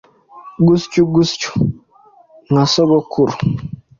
Guswu guswu nka sogokuru ».